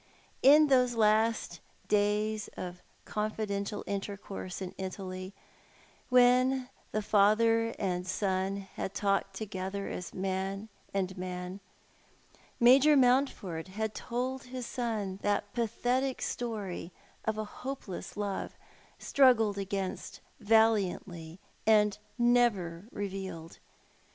In those last days of confidential intercourse in Italy, when the father and son had talked together as man and man, Major Mountford had told his son that pathetic story of a hopeless love, struggled against valiantly, and never revealed.